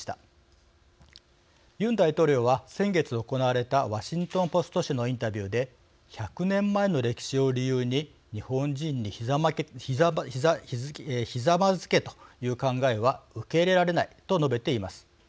ユン大統領は先月行われたワシントンポスト紙のインタビューで「１００年前の歴史を理由に日本人にひざまずけという考えは受け入れられない」と述べています。